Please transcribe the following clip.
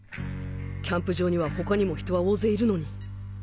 キャンプ場には他にも人は大勢いるのに